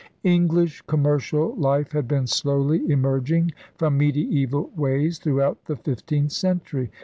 English commercial life had been slowly emerg ing from mediaeval ways throughout the fifteenth century.